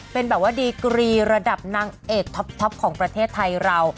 เป็นแบบว่าดีกรีระดับนางเอกท็อปของประเทศไทยเรา